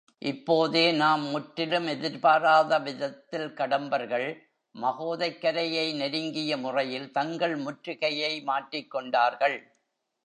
இப்போதே நாம் முற்றிலும் எதிர்பாராத விதத்தில் கடம்பர்கள் மகோதைக் கரையை நெருங்கிய முறையில் தங்கள் முற்றுகையை மாற்றிக் கொண்டார்கள்.